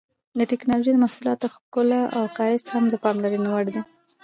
د ټېکنالوجۍ د محصولاتو ښکلا او ښایست هم د پاملرنې وړ دي.